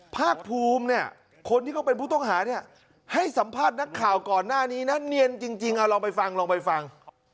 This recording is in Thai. ภาคภูมิเนี่ยคนที่เขาเป็นผู้ต้องหาเนี่ยให้สัมภาษณ์นักข่าวก่อนหน้านี้นะเนียนจริงเอาลองไปฟังลองไปฟัง